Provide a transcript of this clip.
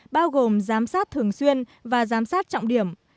bao gồm giám sát thường xuyên và giám sát trọng điểm